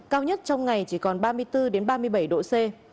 cao nhất trong ngày chỉ còn ba mươi bốn ba mươi bảy độ c